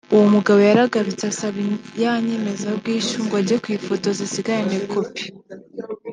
uwo mugabo yaragarutse asaba ya nyemezabwishyu ngo ajye kuyifotoza asigarane kopi